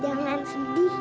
biar gak sedih